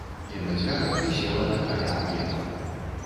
І на дзвярах вісела такая аб'ява.